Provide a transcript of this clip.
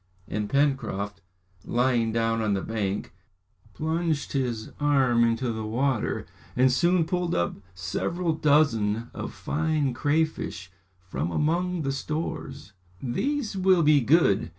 And Pencroft, lying down on the bank, plunged his arm into the water, and soon pulled up several dozen of fine crayfish from among the stores. "These will be good!"